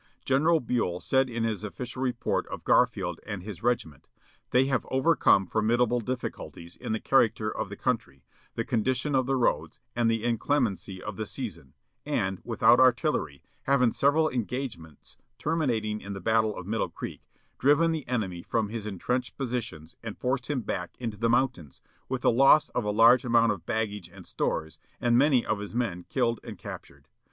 General Buell said in his official report of Garfield and his regiment: "They have overcome formidable difficulties in the character of the country, the condition of the roads, and the inclemency of the season, and, without artillery, have in several engagements, terminating in the battle of Middle Creek, driven the enemy from his intrenched positions and forced him back into the mountains, with the loss of a large amount of baggage and stores, and many of his men killed and captured.